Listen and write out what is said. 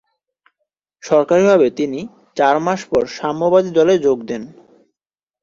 সরকারিভাবে তিনি চার মাস পর সাম্যবাদী দলে যোগ দেন।